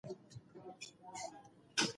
په سپوږمۍ کې وزن کمیږي.